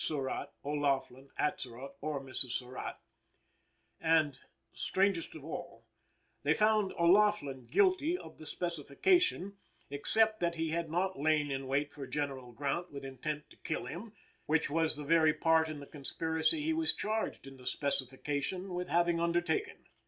Surratt, O'Laughlin, Atzerodt or Mrs. Surratt; and, strangest of all, they found O'Laughlin guilty of the Specification, except that he had not lain in wait for General Grant with intent to kill him, which was the very part in the conspiracy he was charged in the Specification with having undertaken.